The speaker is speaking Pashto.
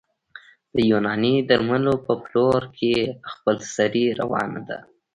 د یوناني درملو په پلور کې خپلسري روانه ده